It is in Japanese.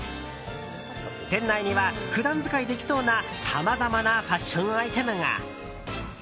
店内には普段使いできそうなさまざまなファッションアイテムが。